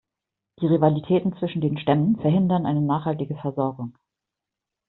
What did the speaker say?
Die Rivalitäten zwischen den Stämmen verhindern eine nachhaltige Versorgung.